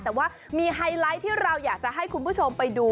แต่ว่ามีไฮไลท์ที่เราอยากจะให้คุณผู้ชมไปดู